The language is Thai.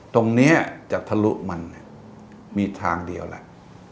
ตรงนี้จะทะลุมันมีทางเดียวแหละ